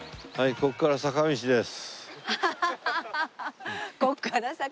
「ここから坂道です」。